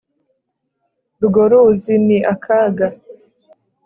urwo ruzi ni akaga